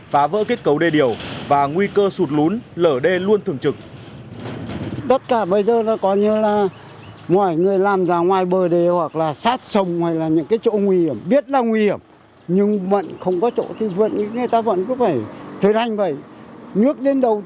phá vỡ kết cấu đê điều và nguy cơ sụt lún lở đê luôn thường trực